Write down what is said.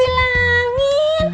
masih ada yang nunggu